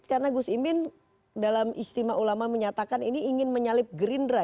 karena gus imin dalam istimewa ulama menyatakan ini ingin menyalip gerindra